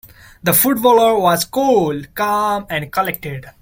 The footballer was cool, calm and collected.